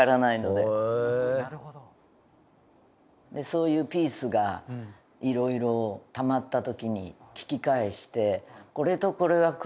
そういうピースがいろいろたまった時に聴き返して。